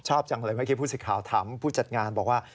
จังเลยเมื่อกี้ผู้สิทธิ์ข่าวถามผู้จัดงานบอกว่า